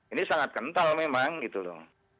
ini sangat kental memang gitu loh